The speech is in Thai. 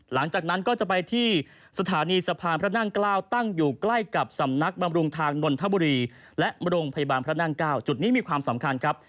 หลังจากนั้นก็จะไปที่สถานีสะพานพระนั่งเกล้าตั้งอยู่ใกล้กับสำนักบำรุงทางนนทบุรีและโรงพยาบาลพระนั่ง๙จุดนี้มีความสำคัญครับ